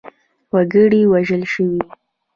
وګړي وژل شوي.